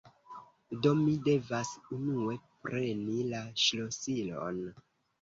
do mi devas unue preni la ŝlosilon